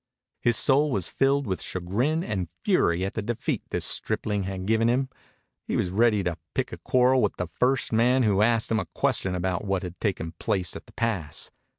His soul was filled with chagrin and fury at the defeat this stripling had given him. He was ready to pick a quarrel with the first man who asked him a question about what had taken place at the pass.